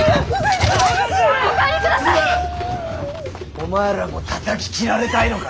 お前らもたたき斬られたいのか。